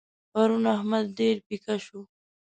پرون احمد ډېر پيکه شو.